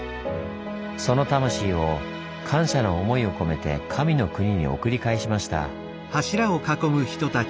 その魂を感謝の思いを込めて神の国に送り返しました。